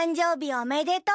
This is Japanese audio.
おめでとう！